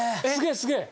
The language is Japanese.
すげえ！